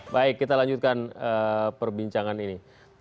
baik kita lanjutkan perbincangan ini